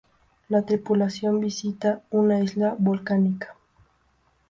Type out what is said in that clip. La tripulación visita una isla volcánica.